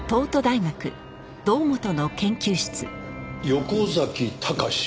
横崎孝志？